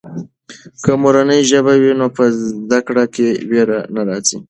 که مورنۍ ژبه وي نو په زده کړه کې وېره نه راځي.